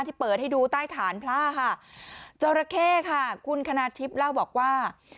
ที่เปิดให้ดูใต้ฐานพระค่ะจราเข้ค่ะคุณคณาทิพย์เล่าบอกว่า